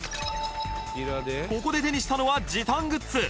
ここで手にしたのは時短グッズ